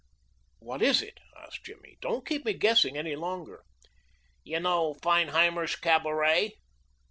"What is it?" asked Jimmy. "Don't keep me guessing any longer." "You know Feinheimer's Cabaret."